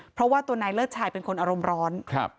เพราะว่าตัวนายเลิศชายเป็นคนอารมณ์ร้อนครับ